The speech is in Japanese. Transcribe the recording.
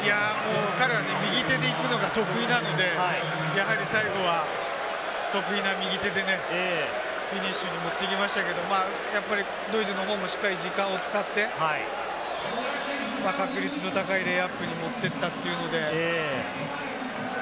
彼は右手でいくのが得意なので、やはり最後は得意な右手でね、フィニッシュに持っていきましたけれども、やっぱりドイツの方もしっかり時間を使って、確率の高いレイアップに持っていったというので。